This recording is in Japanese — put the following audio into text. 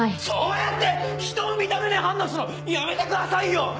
そうやってひとを見た目で判断するのやめてくださいよ！